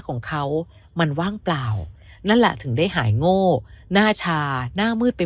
ของเขามันว่างเปล่านั่นแหละถึงได้หายโง่หน้าชาหน้ามืดไป